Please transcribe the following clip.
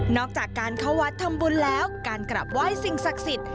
อกจากการเข้าวัดทำบุญแล้วการกลับไหว้สิ่งศักดิ์สิทธิ์